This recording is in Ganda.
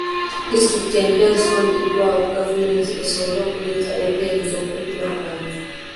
Disitulikiti empya zitondebwawo gavumenti esobole okuleeta empeereza okumpi n'abantu.